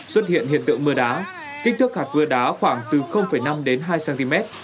xuất hiện hiện tượng mưa đá kích thước hạt cưa đá khoảng từ năm đến hai cm